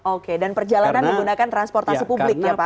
oke dan perjalanan menggunakan transportasi publik ya pak